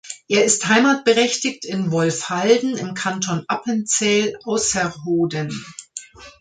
Er ist heimatberechtigt in Wolfhalden im Kanton Appenzell Ausserrhoden.